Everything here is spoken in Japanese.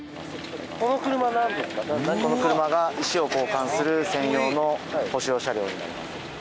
この車が石を交換する専用の舗装車両になります。